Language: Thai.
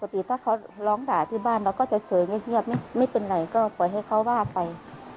ปกติถ้าเขาร้องด่าที่บ้านเราก็จะเฉยเงียบไม่เป็นไรก็ปล่อยให้เขาว่าไป